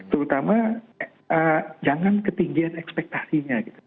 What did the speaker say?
terutama jangan ketinggian ekspektasinya gitu